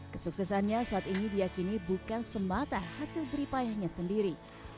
kesuksesannya saat ini diakini bukan semata hasil jeripayahnya sendiri